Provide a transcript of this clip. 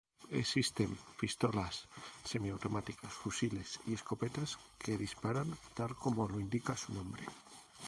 Existen pistolas semiautomáticas, fusiles y escopetas que disparan tal como lo indica su nombre.